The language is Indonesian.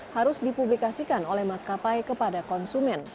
harus dipublikasikan oleh maskapai kepada konsumen